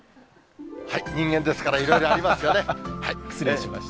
人間ですからいろいろありま失礼しました。